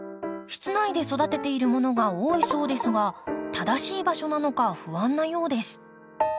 室内で育てているものが多いそうですが正しい場所なのか不安なようです。